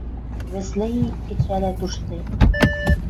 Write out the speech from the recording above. Вӹцлӹ и кӹчӓлӓт уж тӹнь